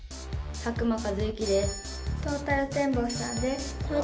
佐久間一行です。